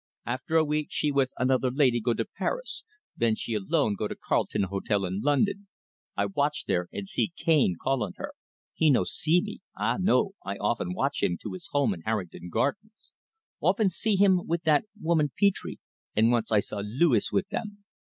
After a week she with another laidee go to Paris; then she alone go to Carlton Hotel in London. I watch there and see Cane call on her. He no see me ah, no! I often watch him to his home in Harrington Gardens; often see him with that woman Petre, and once I saw Luis with them.